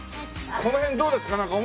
この辺どうですか？